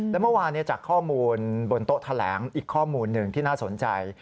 และเมื่อวานจากข้อมูลบนโต๊ะแถลงอีกข้อมูลหนึ่งที่น่าสนใจ